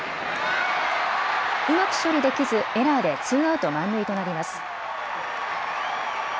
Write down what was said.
うまく処理できず、エラーでツーアウト満塁となります。